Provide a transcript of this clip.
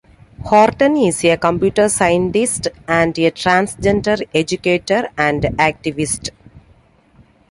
Horton is a computer scientist and a transgender educator and activist.